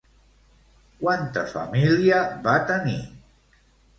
Quanta família va tenir?